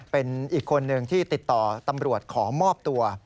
เป็นอีกคนนึงที่ติดต่อตำรวจขอมอบตัว